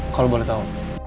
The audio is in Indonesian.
kalau boleh tau